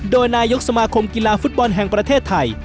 โดยนายกสมาคมกีฬาฟุตบอลแห่งประเทศไทย